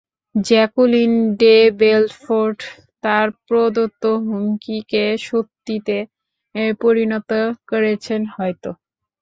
Jacqueline de Belfort তার প্রদত্ত হুমকিকে সত্যিতে পরিণত করেছেন হয়তো।